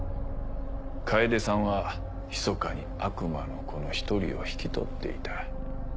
かえでさんはひそかに悪魔の子の一人を引き取っていた。